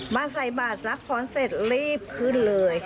บ้านใส่บาดรับพร้อมเสร็จรีบขึ้นเลย